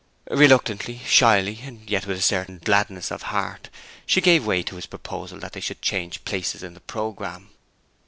Reluctantly, shyly, and yet with a certain gladness of heart, she gave way to his proposal that they should change places in the programme.